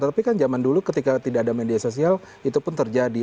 tapi kan zaman dulu ketika tidak ada media sosial itu pun terjadi